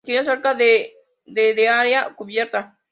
Tiene cerca de de área cubierta.